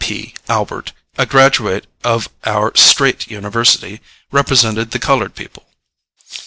P. Albert, a graduate of our Straight University, represented the colored people.